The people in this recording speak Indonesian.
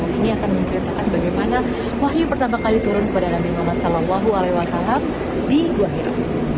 ini akan menceritakan bagaimana wahyu pertama kali turun kepada nabi muhammad saw di gua hiro